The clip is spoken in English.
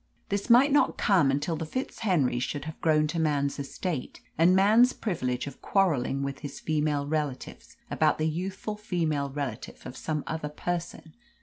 This might not come until the FitzHenrys should have grown to man's estate and man's privilege of quarrelling with his female relatives about the youthful female relative of some other person.